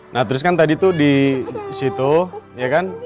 nah terus kan tadi tuh di situ ya kan